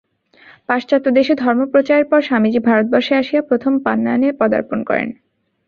পাশ্চাত্যদেশে ধর্মপ্রচারের পর স্বামীজী ভারতবর্ষে আসিয়া প্রথম পান্বানে পদার্পণ করেন।